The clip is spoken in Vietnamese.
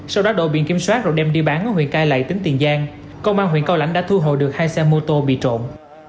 sau đó đội biển kiểm soát rồi đem đi bán ở huyện cai lậy tỉnh tiền giang công an huyện cao lãnh đã thu hồi được hai xe mô tô bị trộm